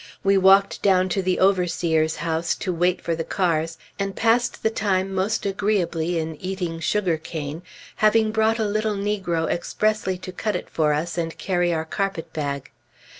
We walked down to the overseer's house to wait for the cars, and passed the time most agreeably in eating sugar cane, having brought a little negro expressly to cut it for us and carry our carpet bag.